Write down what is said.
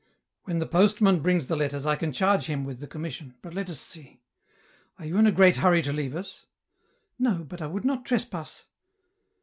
" When the postman brings the letters I can charge him with the commission, but let us see ; are you in a great hurry to leave us ?"" No, but I would not trespass.